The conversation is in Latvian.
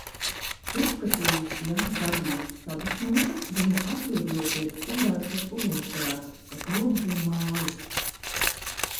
Uzskatīja, ja Gabija sadusmota, viņa atriebjoties izraisot ugunsgrēku, kas nodedzina mājas.